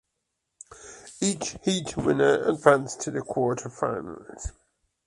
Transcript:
Each heat winner advanced to the quarterfinals.